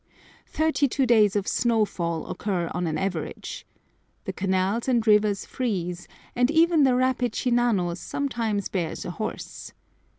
Thirty two days of snow fall occur on an average. The canals and rivers freeze, and even the rapid Shinano sometimes bears a horse.